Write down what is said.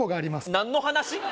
何の話？